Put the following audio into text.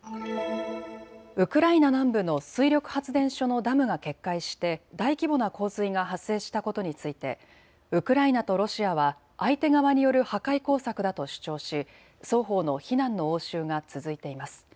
ウクライナ南部の水力発電所のダムが決壊して大規模な洪水が発生したことについてウクライナとロシアは相手側による破壊工作だと主張し双方の非難の応酬が続いています。